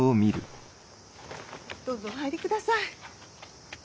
どうぞお入りください。